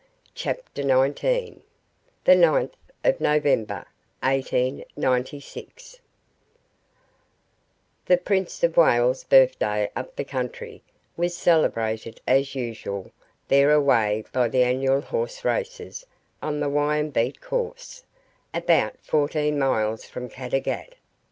CHAPTER NINETEEN The 9th of November 1896 The Prince of Wales's birthday up the country was celebrated as usual thereaway by the annual horse races on the Wyambeet course, about fourteen miles from Caddagat.